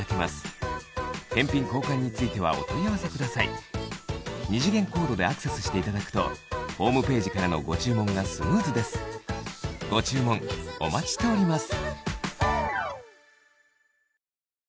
この機会をお見逃しなく二次元コードでアクセスしていただくとホームページからのご注文がスムーズですご注文お待ちしております